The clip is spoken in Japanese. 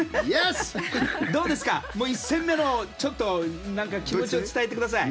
どうですか１戦目の気持ちを伝えてください。